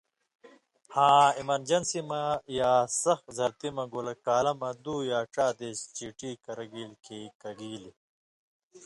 ہاں اېمرجنسی مہ یا سخ زرتی مہ گولہ کالہ مہ دُو یا ڇا دېس چیٹی کرہ گیلیۡ کھیں کہ گیلیۡ